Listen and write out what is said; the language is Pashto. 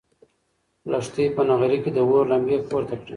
لښتې په نغري کې د اور لمبې پورته کړې.